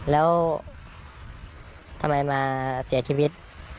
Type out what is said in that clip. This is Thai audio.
แล้วทำไมมาเสียชีวิต